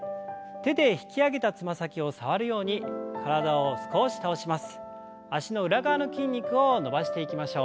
手でつま先を触るように体を少し倒します。